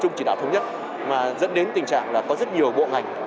chúng chỉ đảm thống nhất mà dẫn đến tình trạng là có rất nhiều bộ ngành